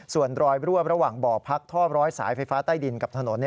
ส่วนรอยรั่วระหว่างบ่อพักท่อร้อยสายไฟฟ้าใต้ดินกับถนน